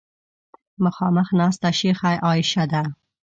مخامخ ناسته شیخه عایشه ده.